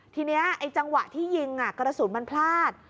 ทีนี้ไอ้จังหวะที่ยิงกระสุนมันพลาด